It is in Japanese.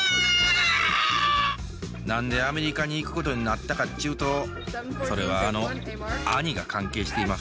何でアメリカに行くことになったかっちゅうとそれはあの兄が関係しています。